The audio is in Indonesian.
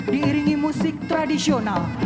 mengingi musik tradisional